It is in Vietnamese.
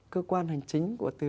cơ quan hành chính của từ liêm